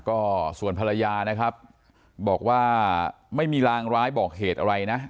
ก็ส่วนภรรยานะครับบอกว่าไม่มีรางร้ายบอกเหตุอะไรนะ